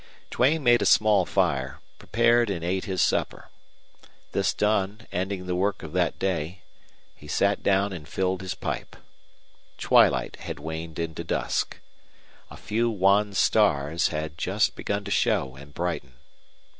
Duane made a small fire, prepared and ate his supper. This done, ending the work of that day, he sat down and filled his pipe. Twilight had waned into dusk. A few wan stars had just begun to show and brighten.